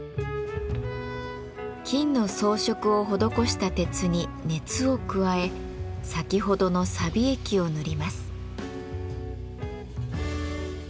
金の装飾を施した鉄に熱を加え先ほどのさび液を塗ります。